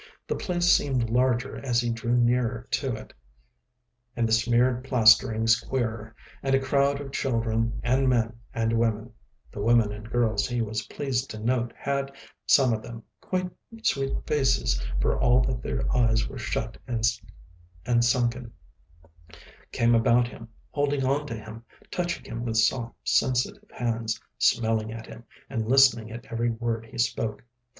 The place seemed larger as he drew near to it, and the smeared plasterings queerer, and a crowd of children and men and women (the women and girls he was pleased to note had, some of them, quite sweet faces, for all that their eyes were shut and sunken) came about him, holding on to him, touching him with soft, sensitive hands, smelling at him, and listening at every word he spoke.